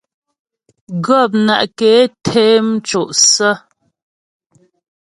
Gɔpna' ké té mco' sə̀.